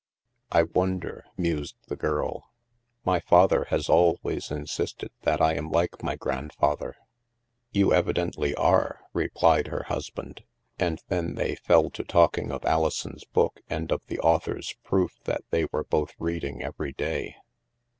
"I wonder/' mused the girl. "My father has always insisted that I am like my grandfather." " You evidently are," replied her husband. And then they fell to talking of Alison's book and of the author's proof that they were both reading every day.